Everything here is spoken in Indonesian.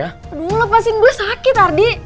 aduh lepasin gue sakit ardi